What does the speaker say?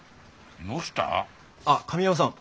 あっ神山さん